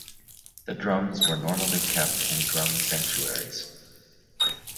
The drums were normally kept in drum sanctuaries.